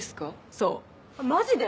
そうマジで？